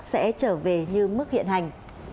sẽ trở về như mức hiện hành